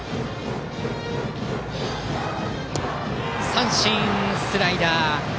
三振、スライダー。